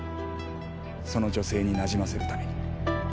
その女性になじませるために。